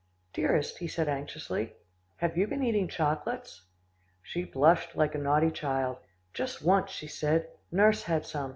"Dearest," he said anxiously, "have you been eating chocolates?" She blushed like a naughty child. "Just one," she said; "nurse had some.